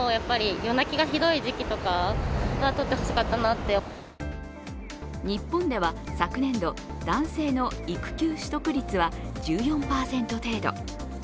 あ日本では昨年度、男性の育休取得率は１４％程度。